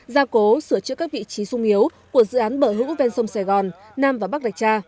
gia cố sửa chữa các vị trí sung yếu của dự án bờ hữu ven sông sài gòn nam và bắc rạch cha